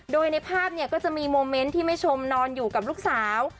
โดยในภาพเนี่ยก็จะมีโมเมนต์ที่แม่ชมนอนอยู่กับลูกสาว